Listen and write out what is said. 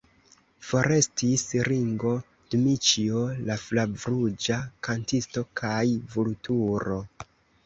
Forestis Ringo, Dmiĉjo, la flavruĝa kantisto kaj Vulturo!